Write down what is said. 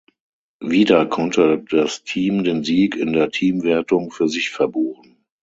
Wieder konnte das Team den Sieg in der Teamwertung für sich verbuchen.